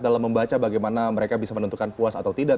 dalam membaca bagaimana mereka bisa menentukan puas atau tidak